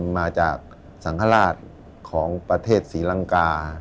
มาจากสังฆราชของประเทศศรีลังกา